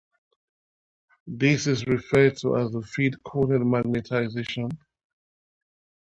This is referred to as the "field-cooled" magnetization.